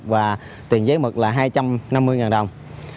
và tiền giấy mực là hai trăm năm mươi đồng